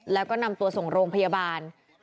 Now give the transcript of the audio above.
แล้วก็นำตัวส่งโรงพยาบาล